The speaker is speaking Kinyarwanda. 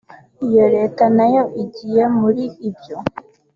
“Iyo leta nayo igiye muri ibyo